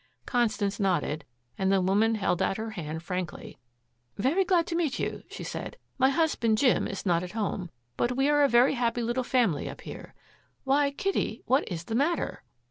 Constance nodded, and the woman held out her hand frankly. "Very glad to meet you," she said. "My husband, Jim, is not at home, but we are a very happy little family up here. Why, Kitty, what is the matter?"